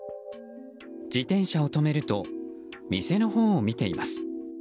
自転車を止めると店のほうを見ています。